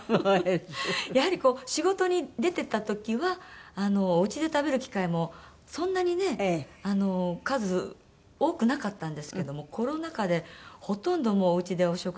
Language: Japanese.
やはり仕事に出てた時はおうちで食べる機会もそんなにね数多くなかったんですけどもコロナ禍でほとんどおうちでお食事するようになって。